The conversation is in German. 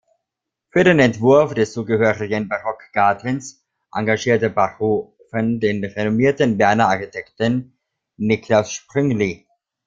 Für den Entwurf des zugehörigen Barockgartens engagierte Bachofen den renommierten Berner Architekten Niklaus Sprüngli.